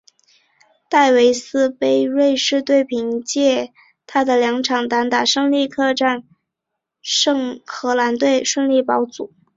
戴维斯杯瑞士队凭藉他的两场单打胜利客场战胜荷兰队顺利保组。